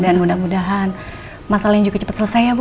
dan mudah mudahan masalah ini juga cepat selesai ya bu